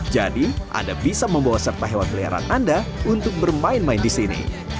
jadi anda bisa membawa serta hewan peliharaan anda untuk bermain main di sini